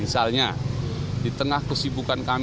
misalnya di tengah kesibukan kami